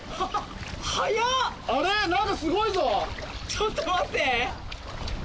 ちょっと待って。